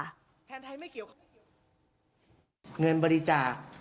แทนไทยไม่เกี่ยวของเงินบริจาค